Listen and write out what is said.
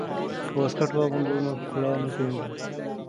که واسکټ واغوندو نو ښکلا نه کمیږي.